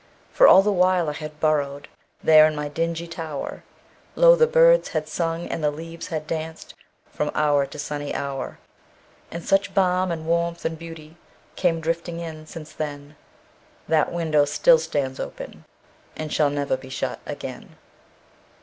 For all the while I had burrowedThere in my dingy tower, Lo! the birds had sung and the leaves had dancedFrom hour to sunny hour. And such balm and warmth and beautyCame drifting in since then, That the window still stands openAnd shall never be shut again.